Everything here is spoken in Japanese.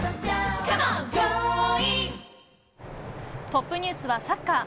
トップニュースはサッカー。